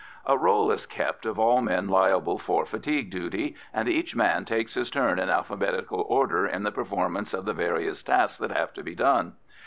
A roll is kept of all men liable for fatigue duty, and each man takes his turn in alphabetical order in the performance of the various tasks that have to be done.